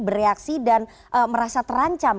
bereaksi dan merasa terancam